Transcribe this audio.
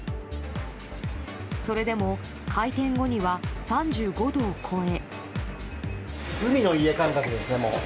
それでも、開店後には３５度を超え。